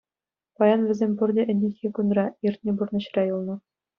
Паян вӗсем пурте ӗнерхи кунра, иртнӗ пурнӑҫра юлнӑ.